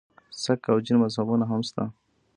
سک او جین مذهبونه هم شته.